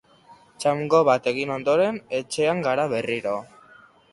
Txango bat egin ondoren, etxean gara berriro.